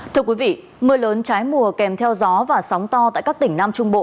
thưa quý vị mưa lớn trái mùa kèm theo gió và sóng to tại các tỉnh nam trung bộ